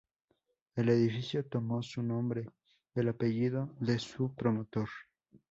El edificio toma su nombre del apellido de su promotor.